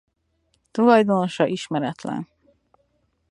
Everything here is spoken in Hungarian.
Tulajdonosa ismeretlen.